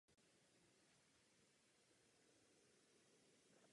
Proces se vyvíjel postupně a neobjevil se náhle.